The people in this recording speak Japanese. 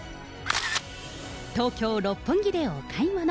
東京・六本木でお買い物。